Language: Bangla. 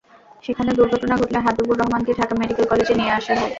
সেখানে দুর্ঘটনা ঘটলে হাবিবুর রহমানকে ঢাকা মেডিকেল কলেজে নিয়ে আসা হয়।